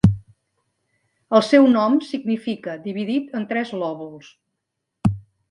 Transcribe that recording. El seu nom significa "dividit en tres lòbuls".